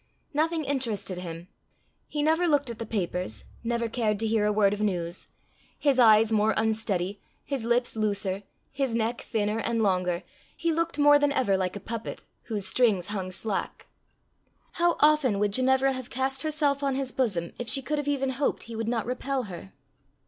Nothing interested him; he never looked at the papers, never cared to hear a word of news. His eyes more unsteady, his lips looser, his neck thinner and longer, he looked more than ever like a puppet whose strings hung slack. How often would Ginevra have cast herself on his bosom if she could have even hoped he would not repel her!